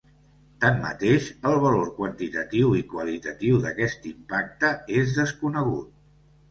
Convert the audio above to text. Tanmateix, el valor quantitatiu i qualitatiu d'aquest impacte és desconegut.